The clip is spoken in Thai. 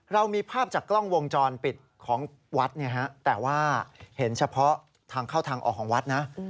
เรามีภาพจากกล้องวงจรปิดของวัดแต่ว่าเห็นเฉพาะทางเข้าทางออกของวัดนะ